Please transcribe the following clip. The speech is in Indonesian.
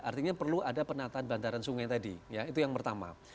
artinya perlu ada penataan bandaran sungai tadi ya itu yang pertama